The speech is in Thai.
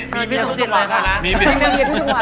มีเบียงพี่สมจิตไหวไหม